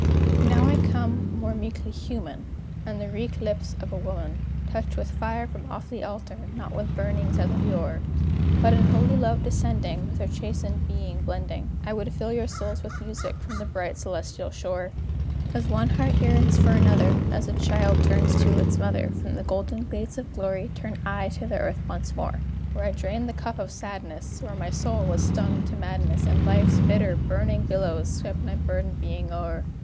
Now I come more meekly human, And the wreak lips of a woman Touch with fire from off the altar, not with burnings as of yore; But in holy love descending, With her chastened being blending, I would fill your souls with music from the bright celestial shore. As one heart yearns for another, As a child turns to its mother, From the golden gates of glory turn I to the earth once more, Where I drained the cup of sadness, Where my soul was stung to madness, And life's bitter, burning billows swept my burdened being o'er.